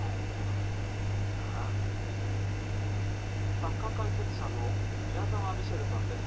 サッカー解説者の宮澤ミシェルさんです。